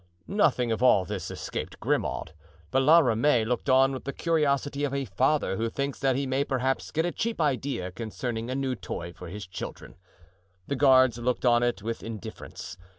Nothing of all this escaped Grimaud, but La Ramee looked on with the curiosity of a father who thinks that he may perhaps get a cheap idea concerning a new toy for his children. The guards looked on it with indifference.